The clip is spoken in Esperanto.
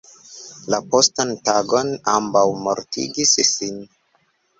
La postan tagon ambaŭ mortigis sin.